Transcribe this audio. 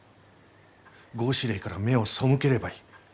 合祀令から目を背ければいい。